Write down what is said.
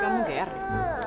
kamu gak mau